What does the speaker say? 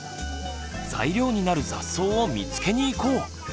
材料になる雑草を見つけに行こう！